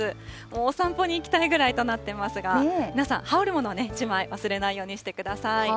お散歩に行きたいぐらいとなっていますが、皆さん、羽織るものを１枚忘れないようにしてください。